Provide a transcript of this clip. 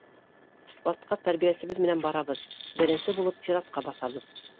Складҡа тәрбиәсебеҙ менән барабыҙ, беренсе булып сиратҡа баҫабыҙ.